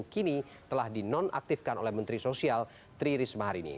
kini telah dinonaktifkan oleh menteri sosial tri risma hari ini